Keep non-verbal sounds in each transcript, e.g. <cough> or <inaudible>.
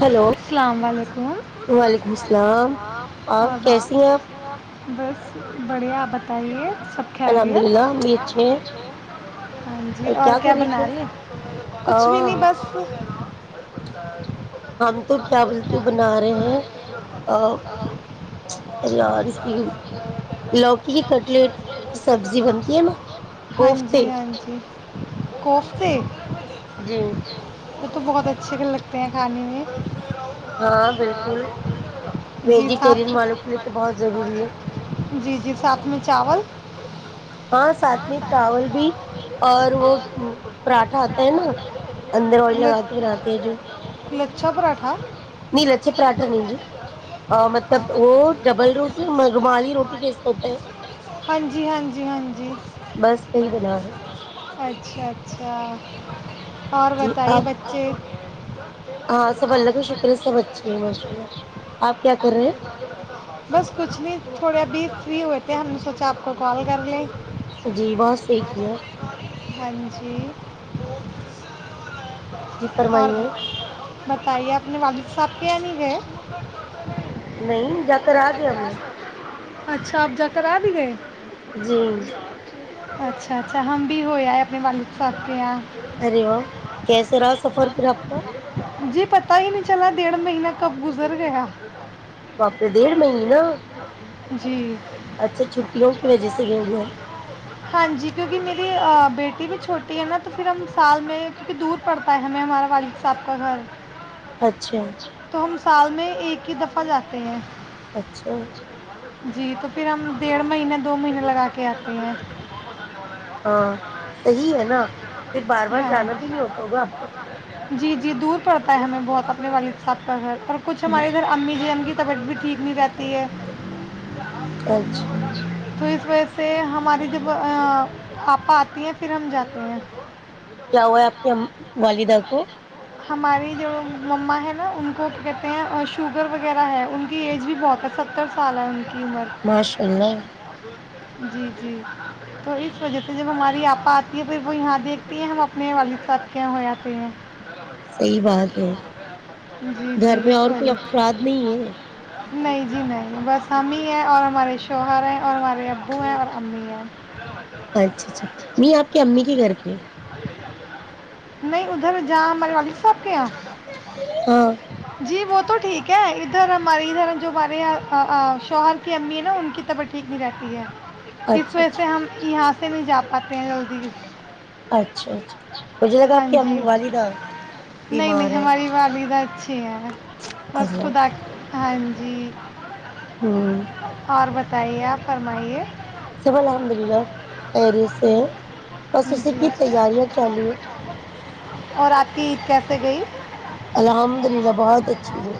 Hello السلام علیکم وعلیکم السلام اور کیسی ہیں آپ بس بڑے آباد ت لیے <unintelligible> سب الحمد کائےبیا للہ ہم بھی اچھے ہیں <unintelligible> ہاں جی اور کر کیا رہے تھے بنا رہی ہے کچھ بھی ہم نہیں بس بر بتا <unintelligible> ہم تو کیا بولتی ہو بنا رہے ہیں اور اس کی لوکی کی کٹلیٹ کی سبزی بنتی ہے نا ہاں جی کوفتے ہاں جی کوفتے جی وہ تو بہت اچھے بھی لگتے ہیں کھانے میں ہاں بالکل جی ویجیٹیرین ساتھ والوں کے لیے تو بہت ضروری ہے جی جی ساتھ میں چاول ہاں ساتھ میں چاول بھی اور وہ پراٹھا آتا ہے نا اندر آئل لگا کے بناتے ہیں جو لچ- لچھا پراٹھا نہیں لچھے پراٹھا نہیں جی مطلب وہ ڈبل روٹی رومالی روٹی ٹیسٹ ہوتا ہے ہاں جی ہاں جی ہاں جی بس یہی بنا ہے اچھا اچھا اور جی بتائیے آپ بچے ج <unintelligible> ہاں سب اللہ کا شکر ہے سب اچھے ہے ماشء اللہ آپ کیا کر رہے ہیں بس کچھ نہیں تھوڑے ابھی فری ہوئے تھ ہیں ہم نے سوچا آپ کو کال کر لیا جی بات صحیح کی ہے ہاں جی جی اور فرمائیے بتائیے اپنے والد صاحب کے یا نہیں گئے نہیں جا کرا گیا من اچھا آپ جا کر آ بھی گئے جی اچھا اچھا ہم بھی ہوئے ہے اپنے والد صاحب کے یہاں ارے واہ کیسے رہا سفر پھر آپ کا جی پتا ہی نہیں چلا ڈیڑھ مہینہ کب گزر گیا واپس ڈھ مہ نا جی اچھا چھٹیوں کی وجہ سے گئے ہو گئے ہیں ہاں جی کیونکہ میری بیٹی بھی چھوٹی ہے نا تو پھر ہم سال میں کیونکہ دور پڑتا ہے ہمیں ہمارے والی سب کا گھر اچھا تو ہم سال میں ایک ہی دفعہ جاتے ہیں اچھا جی تو پھر ہم ڈیڑھ مہینےہ دو مہینے لگا کے آتے ہیں ہاں صحیح ہے نا پھر بار بار جانا ہاں بھی نہیں ہوتا ہوگا آپ کا جی جی دور پڑتا ہے ہمیں بہت اپنے والد صاحب کا گھر اور کچھ ہمارے ادھر امی جی ا کی طبیعت بھی ٹھیک نہیں رہتی ہے اچھا تو اس وجہ سے ہماری جب پاپا آتی ہیں پھر ہم جاتے ہیں کیا ہوا آپ کے والدہ کو ہماری جو مما ہے نا ان کو کیا کہتے ہیں شوگر وغیرہ ہے ان کی ایج بھی بہت ہے ستر سال ہے ان قیمر ماشاء اللہ جی جی تو اس وجہ سے جب ہماری آپا آتی ہے پھر وہ یہاں دیکھتی ہیں ہم اپنے والد ساتھ یہاں ہو جاتے ہیں صحی بات ہے جی جی گھر میں اس اور کوئی وجہ سے افراد نہیں ہے نہیں جی نہیں بس ہم ہی ہیں اور ہمارے شوہر ہیں اور ہمارے ابو ہیں اور امی ہیں اچھا اچھا م آپ کی امی کے گھر پہ ہے نہیں ادھر جاں مروی سحب کیا ہاں جی ب تو ٹھیک ہے ادھر ہمارے ادھر ہم جو ہمارے شوہر کی امی ہے نا ان کی طبیعت ٹھیک نہیں رہتی ہے اس اچھا وج سے اچھا ہم یہاں سے نہیں جا پاتے ہیں جلدی بھی اچھا اچھا مجھے لگا آپ کیا جی والدہ نہیں بیمار نہیں ہے ہماری والدہ اچھی ہے بس خدا ہاں جی ہاں جیا فمائیے سف الحمد للہ خری سے بس اسی جی کی تیاریاں چالو ہے اور آتیید کیسے گئی الحمد للہ بہت اچھی ہے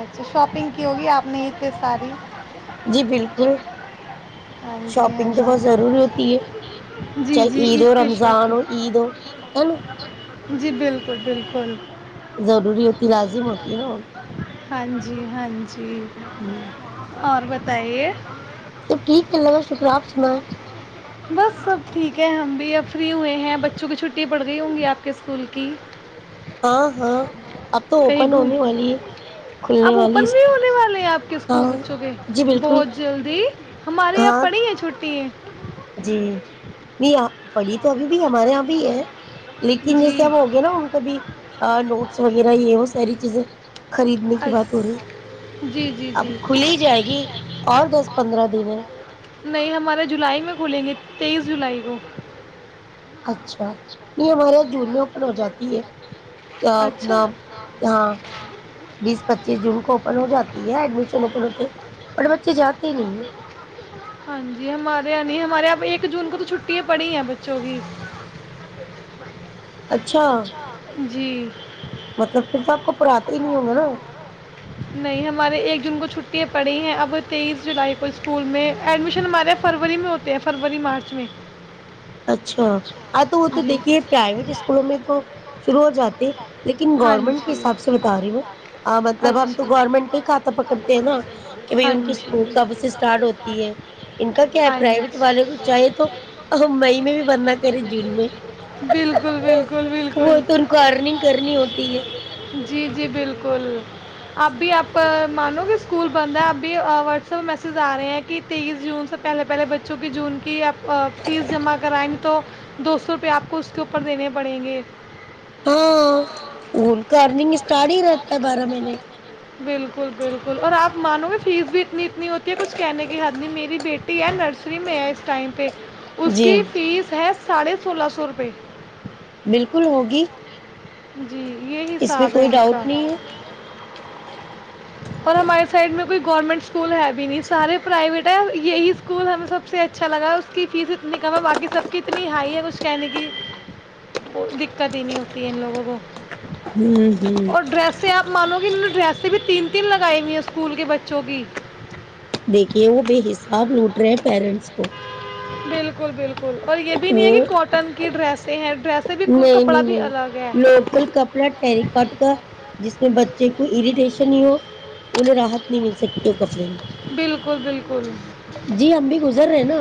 اچھا شاپنگ کی ہوگی آپ نے یہ ساری جی بالکل ہاں جی شاپنگ تو ہاں بہت ضروری ہوتی ہے جی جی چاہے جی عید ہو پہ رمضان ہو شاپنگ عید ہو ہے نا جی بالکل بالکل ضروری ہوتی لازم ہوتی ہے نا ہاں جی جی ہاں جی ہوں ت سب ٹھیک ہے اللہ بہ شکرہ آپ سنایں بس سب ٹھیک ہے ہم فری ہوئے ہیں بچوں کی چھٹی پڑھ رہی ہوں گی آپ کے اسکول کی ہاں ہاں اب تو کہیں اوپن گ ہونے والی ہے کھلنے اب والی اوپن نہیں اسکول ہونے والے ہیں آپ کے اسکول ہاں بچوں کے جی بالکل بہت جلدی ہمارے یہاں ہاں پڑی ہیں چھٹی ہیں جی نہیں پڑی تو ابھی بھی ہمارے یہاں بھی ہے لیکن جی جیسے ہم ہو گئے نا ان کا بھی نوٹس وغیرہ یہ وہ ساری چیزیں خریدنے کی اچ- بات ہو رہی جی جی اب جی کھلی جائے گی اور دس پندرہ دن ہے نہیں ہمارے جولائی میں کھلیں گے تیئیس جولائی کو اچھا یہ ہمارے یہاں جون میں اوپن ہو جاتی ہے اپنا اچھا ہاں بیس پچیس جون کو ہو جاتی ہے ایڈمیشن اپ ہوتے ب بچے جاتے نہیں ہاں جی ہمارے یہاں نہیں ہمارے یہاں پہ ایک جون کو تو چھٹی پڑھی ہیں بچوں کی اچھا جی مطلب کہ سب نہیں ہمارے ایک جون کو چھٹی پڑھی ہیں اب تیئیس جولائی کو اسکول میں ایڈمیشن ہمارے فروری میں ہوتے ہیں فروری مارچ میں اچھا ا تو وہ تو جی دیکھیے پرائیویٹ اسکولوں میں تو شروع ہو جاتی لیکن ہاں گورنمنٹ کے جی حساب سے بتا رہی ہ ہ مطلب ہم تو اچھا گورنمنٹ کا ہی کھاتہ پکڑتے ہیں نا کہ بھائی ہاں ان کے اسکول جی کب سے اسٹارٹ ہوتی ہے ان کا کیا ہے ہاں جی پرائیویٹ والے کو چاہیے تو مئی میں بھی بندنا کرے جون میں بالکل بالکل وہ بالکل تو ان کو آڈننگ کرنی ہوتی ہے جی جی بالکل اب بھی آپ مان لو کہ اسکول بند ہے اب بھی واٹس ایپہ میسج آ رہے ہیں کہ تیئیس جون سے پہلے پہلے بچوں کی جون کی آپ فیس جمع کرائیں تو دو سو روپئے آپ کو اس کے اوپر دینے پڑیں گے ہاں ان کا ارننگ اسٹارٹ ہی رہتا ہے بارہ مہینے بالکل بالکل اور آپ مانو گے فیس بھی اتنی اتنی ہوتی ہے کچھ کہنے کی حد نہیں میری بیٹی ٹی ای نرسری میں ہے اس ٹائم پہ اس جی کی فیس ہے ساڑھے سولہ سو روپے بالکل ہوگی جی یہ اس میں حساب ہے کوئی ان ڈاؤٹ کا نہیں ہے اور ہمارے سائڈ میں کوئی گورنمنٹ اسکول ہے بھی نہیں سارے پرائیویٹ ہے یہی اسکول ہمیں سب سے اچھا لگا اس کی فیس اتنی کم ہے باقی سب کی اتنی ہائی ہے کچھ کہنے کی دقت ہی نہیں ہوتی ہے ان لوگوں کو و ہوں ہوں <unintelligible> اور ڈریسیں آپ مانو کہ ڈرییسیں بھی تین تین لگائی ہوئی ہیں اسکول کے بچوں کی دیکھیے وہ بے حساب لوٹ رہے ہیں پیرنٹس کو بالکل بالکل اور یہ بھی نہیں ہے وہ کہ کاٹن کی ڈریس ہیں ڈریسیں بھی نہیں کپڑا نہیں بھی نہیں الگ ہے لوکل کپڑا ٹرییکٹ کا جس بچے کو اریٹیشن ہی ہو انہیں راحت نہیں مل سکتی ہو کپڑے میں بالکل بالکل جی ہم بھی گزر رہے ہیں نا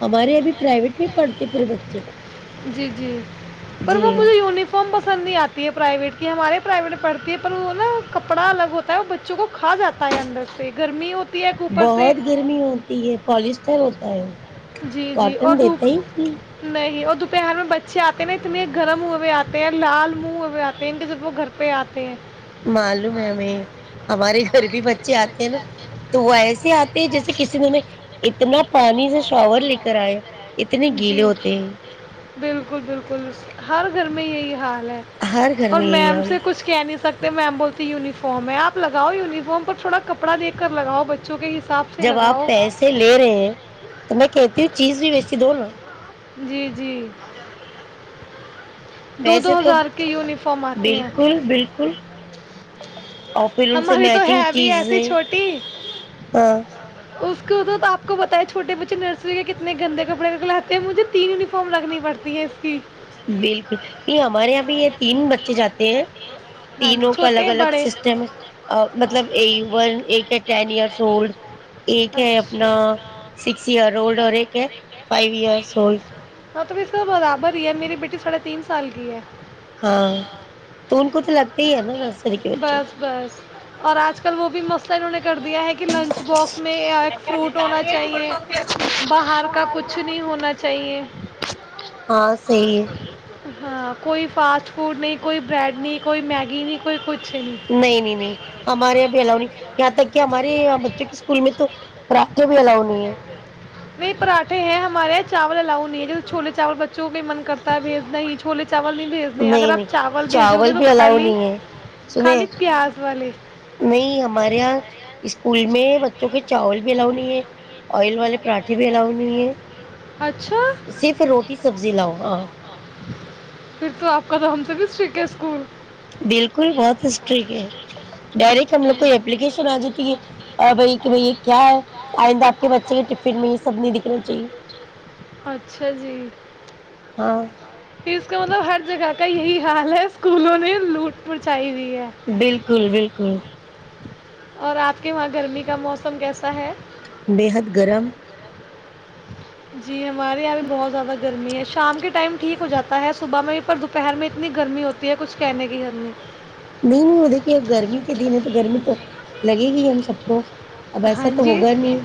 ہمارے ابھی پرائیویٹ میں پڑھتے پورے بچے جی جی <unintelligible> پر م جی مجھ ینیفارم پسند نہیں آتی ہے پرائیویٹ کی ہمارے پرائیویٹ پڑھتی ہے پر وہ نا کپڑا الگ ہوتا ہے وہ بچوں کو کھا جاتا ہے اندر سے گرمی ہو بہت گرمی ہوتی ہے پالسٹر ہوتا ہے جی جی اور کاٹن دیتے دھوپ ہی نہیں اور دوپہر میں بچے آتے ہیں نا اتنے گرم ہوئے ہوئے آتے ہیں لال منہ ہوئے ہوئے آتے ہیں ان کے طرف وہ گھر پہ آتے ہیں معلوم ہے ہمیں گھر بھی بچے آتے ہیں نا تو وہ ایسے آتے ہیں جیسے کسی نے اتنا پانی سے شاور لے کر آئے اتنے گیلے جی ہوتے ہیں بالکل بالکل ہر گھر میں یہی حال ہر گھر اور میں یہی میم حال سے ہے۔ کچھ کہہ نہیں سکتا میم بولتی یونیفارم ہےپگاؤ یونیفارم پر تھوڑا کپڑا دے کر لگاؤ بچوں کے ہی جب آپ پیسے لے رہے میں کہتی ہوں چیز بھی ویسی دو نو جی جی دو پیسے دو تو ہزار کے یونیفارم آتی ہیں بالکل بالکل اور پھر ان سے ہماری تو ہے میچنگ بھی ایسی چیزیں چھوٹی ہاں اس تو آپ کو بتا ہے چھوٹے بچے نرسری کے کتنے گندے کپڑے لیتے ہیں مجھے تین یونیفارم لگنی پڑتی ہے اس کی بالکل نہیں ہمارے یہاں بھی یہ تین بچے جاتے ہیں ہاں جی تینوں کا چھوٹے الگ ہیں الگ بڑے سسٹم ہے مطلبن ایک ہے ٹین ایئرس اولڈ ایک ہے اپنا سکس ایئر اولڈ اور ایک ہے فائیو ایئرس اولڈ ہاں تو پ س برابر ہے میری بیٹی تھوڑا تین سال کی ہے ہاں تو ان کو تو لگتا ہی ہے نا نرسری کے بچوں کو بس بس اور آج کل وہ بھی مسئلہ انہوں نے کر دیا ہے کہ لنچ باکس میں فروٹ ہونا چاہیے باہر کا کچھ نہیں ہونا چاہیے کو ہاں صحیح ہے ہاں کوئی فاسٹ فوڈ نہیں کوئی برڈ نہیں کوئی میگی نہیں کوئی کچھ نہیں نہیں نہیں ہمارے یہاں بھی الاؤ نہیں یہاں تک کہ ہمارے یہ بچوں کے اسکول میں تو ر بھی الاؤ نہیں ہے نہیں پراٹھے ہیں ہمارے یہاں چاول الاؤ نہیں ہے چھوے چاول بچوں بھی من کرتا ہے بھیجنا ہی چھولے چاول نہیں بھیجنے اگر نہیں نہیں آپ چاول بھیجو گے تو بھی الاؤ خالی نہیں ہے سنیں خالی پیاز والے نہیں ہمارے یہاں اسکول میں بچوں کے چاول بھی الاؤ نہیں ہے آئل والے پراٹے بھی الاؤ نہیں ہے اچھا صرف روٹی سبزی لاؤ ہاں پھر تو آپ کا تو ہم سے بھی سٹیک ہے اسکول بالکل بہت اسٹرک ہے ڈائریکٹ ہم لوگ کو اپلیکیشن آ جاتی ہے اور بھائی کہ بھائی یہ کیا ہے آئندہ آپ کے بچے کے ٹف میں یہ سب نہیں دکھنا چاہیے ہاں پھر اس کا مطلب ہر جگہ کا یہی حال ہے اسکولوں نے لوٹ پنچھائی ہو بالکل بالکل اور آپ کے وہاں گرمی کا موسم کیسا ہے بے حد گرم جی ہمارے یہاں بھی بہت زیادہ گرمی ہے شام کے ٹائم ٹھیک ہو جاتا ہے صبح میں پر دوپہر میں اتنی گرمی ہوتی ہے کچھ کہنے کی گد نہیں نہیں نہیں وہ دیکھیے گرمی کے دن ہے تو گرمی تو لگے گی ہم سب کو اب ایسا ہاں تو جی ہوگا نہیں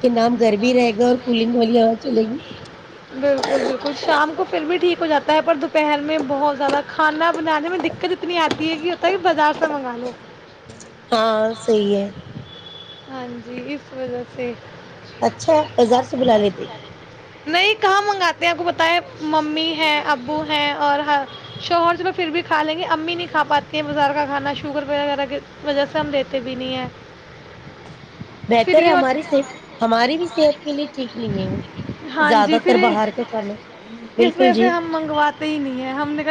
کہ نام گھر بھی رہے گا اور کولنگ والی ہوا چلے گی بالکل بالکل شام کو پھر بھی ٹھیک ہو جاتا ہے پر دوپہر میں بہت زیادہ کھانا بنانے میں دقت اتنی آتی ہے کہ ہوتا کہ بازار سے منگا لو ہاں صحی ہے ہاں جی سے اچھا بازار سے بلا لیتے نہیں کہاں منگاتے ہیں آپ کو پت ہے ممی ہے ابو ہیں اور شو ہاس میں پھر بھی کھا لیں گے امی نہیں کھا پاتی ہیں بازار کا کھانا شوگر وغیرہ کی وجہ سے ہم دیتے بھی نہیں ہے بہتر ہے ہماری ص ہماری بھی صحت کے لیے ٹھیک نہیں ہے وہ ہاں جی زیادہ پھر تر باہر کے کرنا اس بالکل جی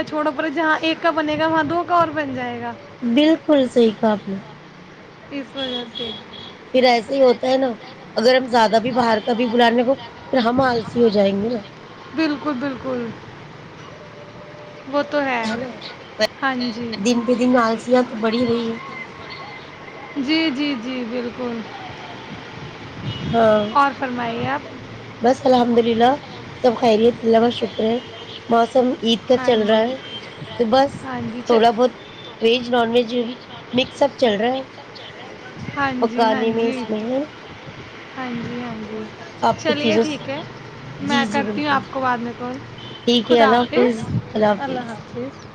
چھوڑا پ جہاں ایک کا بنے گا وہاں دو کا اور بن جائے گا بالکل صحیح قابلہ اس وجہ سے پھر ایسے ہی ہوتا ہے نا اگر ہم زیادہ بھی باہر کا بھی بلانے کو پھر ہم آلسی ہو جائیں گے نا بالکل بالکل وہ تو ہے نا ہاں جی دن بہ دن آلسیاں تو بڑھی رہی جی جی جی بالکل ہاں اور فرمائیے آپ بس الحمد اللہ سب خیریت الوہ شکری مسم عید کا ہاں چل رہا جی ہے تو بس ہاں جی تھوڑا بہت ویج نان ویج مکس چل رہا ہے ہاں جی ہاں پکانے میں جی اس میں ہے ہاں جی ہاں جی آپ کی چلیے چیزوں ٹھیک ہے میں جی جی کرتی ہوں بالکل آپ کو بعد میں کال ٹھیک ہے خدا اللہ آپ حافظ حفظ اللہ حافظ